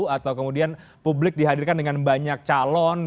atau kemudian publik dihadirkan dengan banyak calon